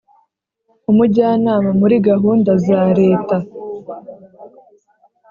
Umujyanama muri gahunda za reta